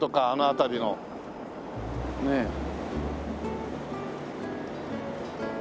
あの辺りのねえ。